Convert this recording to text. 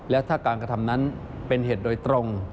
และถ้าการกระทำนั้นเป็นเหตุโดยตรง